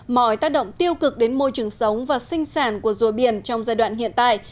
mọi tác động tiêu cực đến môi trường sống và sinh sản của rùa biển trong giai đoạn hiện tại